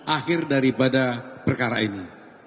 akhir daripada perkara ini